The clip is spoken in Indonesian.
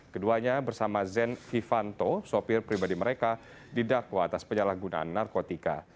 keduanya bersama zen ivanto sopir pribadi mereka didakwa atas penjara gunaan narkotika